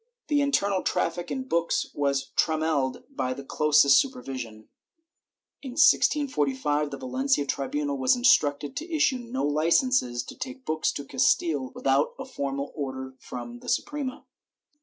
^ The internal traffic in books was trammelled by the closest super vision. In 1645 the Valencia tribunal was instructed to issue no licences to take books to Castile without a formal order from the Suprema.